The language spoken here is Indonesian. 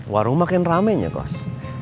warung makin ramai ya kos